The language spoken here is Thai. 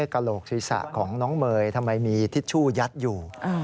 กระโหลกศีรษะของน้องเมย์ทำไมมีทิชชู่ยัดอยู่